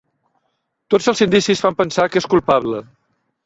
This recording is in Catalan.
Tots els indicis fan pensar que és culpable.